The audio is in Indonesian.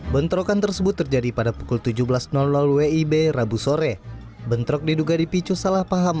bentrokan tersebut terjadi pada pukul tujuh belas wib rabu sore bentrok diduga dipicu salah paham